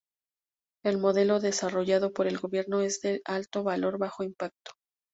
El modelo desarrollado por el gobierno es el de 'alto valor, bajo impacto'.